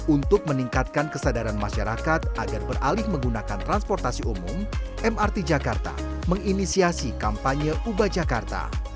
untuk meningkatkan kesadaran masyarakat agar beralih menggunakan transportasi umum mrt jakarta menginisiasi kampanye uba jakarta